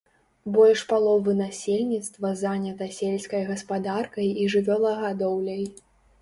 Больш паловы насельніцтва занята сельскай гаспадаркай і жывёлагадоўляй.